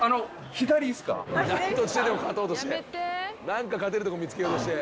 何か勝てるとこ見つけようとして。